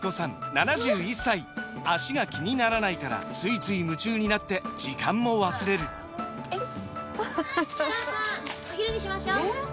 ７１歳脚が気にならないからついつい夢中になって時間も忘れるお母さんお昼にしましょうえー